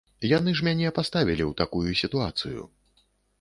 Яны ж мяне паставілі ў такую сітуацыю.